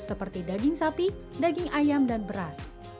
seperti daging sapi daging ayam dan beras